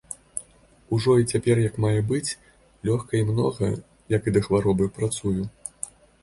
Ужо і цяпер як мае быць, лёгка і многа, як і да хваробы, працую.